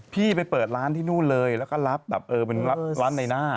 พี่ไปเปิดร้านที่นู่นเลยแล้วก็รับแบบเออเป็นรับร้านในหน้า